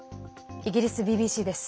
イギリスＢＢＣです。